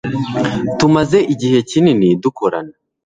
Tumaze igihe kinini dukorana.